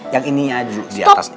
yang ini aja di atas